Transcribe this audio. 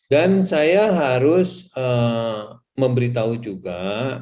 dan saya harus memberitahu juga